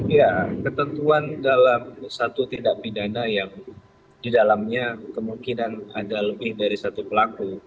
ya ketentuan dalam satu tindak pidana yang didalamnya kemungkinan ada lebih dari satu pelaku